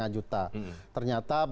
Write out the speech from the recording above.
tujuh belas lima juta ternyata